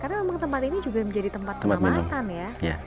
karena memang tempat ini juga menjadi tempat pemamatan ya